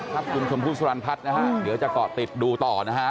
ครับคุณชมพู่สรรพัฒน์นะฮะเดี๋ยวจะเกาะติดดูต่อนะฮะ